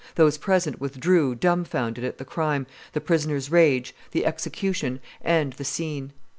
Those present withdrew dumbfounded at the crime, the prisoner's rage, the execution, and the scene.